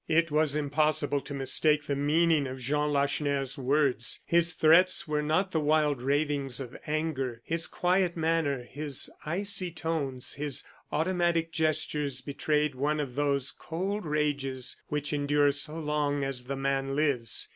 It was impossible to mistake the meaning of Jean Lacheneur's words. His threats were not the wild ravings of anger. His quiet manner, his icy tones, his automatic gestures betrayed one of those cold rages which endure so long as the man lives.